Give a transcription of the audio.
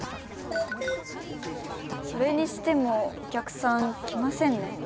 それにしてもお客さん来ませんね。